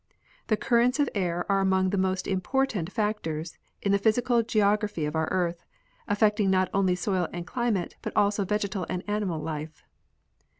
The currents of air are among the most important fac tors in the physical geography of our earth, affecting not only soil and climate but also vegetal and animal life.